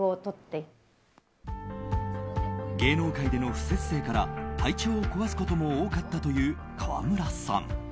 芸能界での不摂生から体調を崩すことも多かったという川村さん。